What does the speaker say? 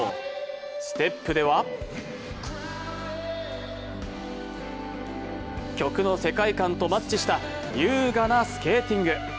ステップでは曲の世界観とマッチした優雅なスケーティング。